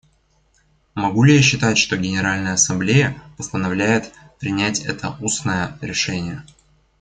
Могу ли я считать, что Генеральная Ассамблея постановляет принять это устное решение?